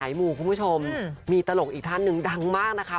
หมู่คุณผู้ชมมีตลกอีกท่านหนึ่งดังมากนะคะ